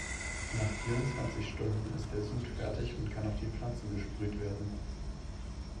Nach vierundzwanzig Stunden ist der Sud fertig und kann auf die Pflanzen gesprüht werden.